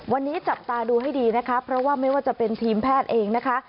วันนี้จับตาดูให้ดีนะคะเพราะว่าไม่ว่าจะเป็นทีมแพทย์เองนะคะ